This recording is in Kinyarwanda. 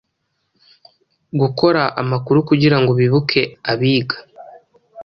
gukora amakuru kugirango bibuke Abiga